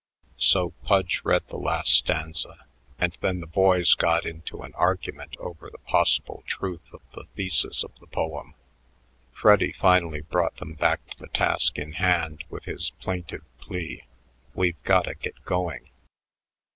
So Pudge read the last stanza, and then the boys got into an argument over the possible truth of the thesis of the poem. Freddy finally brought them back to the task in hand with his plaintive plea, "We've gotta get going."